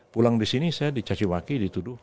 pulang disini saya dicaciwaki dituduh